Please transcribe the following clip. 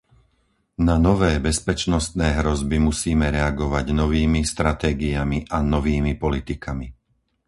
Na nové bezpečnostné hrozby musíme reagovať novými stratégiami a novými politikami.